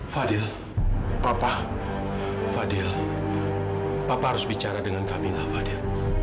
fadil papa harus bicara dengan kamila fadil